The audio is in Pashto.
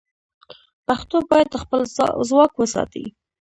پښتو باید خپل ځواک وساتي.